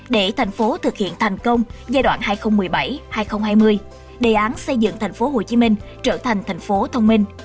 để thành phố thực hiện thành công giai đoạn hai nghìn một mươi bảy hai nghìn hai mươi đề án xây dựng thành phố hồ chí minh trở thành thành phố thông minh